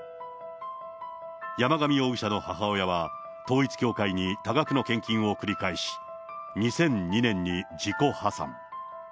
山上容疑者の母親は、統一教会に多額の献金を繰り返し、２００２年に自己破産。